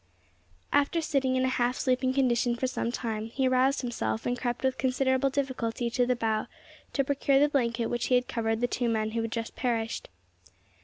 After sitting in a half sleeping condition for some time, he aroused himself, and crept with considerable difficulty to the bow to procure the blanket which had covered the two men who had just perished.